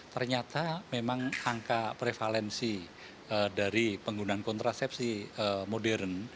ternyata memang angka prevalensi dari penggunaan kontrasepsi modern